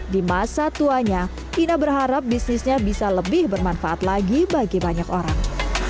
di masa tuanya ina berharap bisnisnya bisa lebih bermanfaat lagi bagi banyak orang